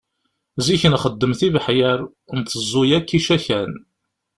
Zik nxeddem tibeḥyar, nteẓẓu yakk icakan.